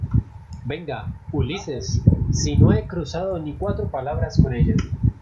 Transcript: venga, Ulises, si no he cruzado ni cuatro palabras con ella.